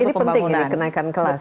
ini penting ini kenaikan kelas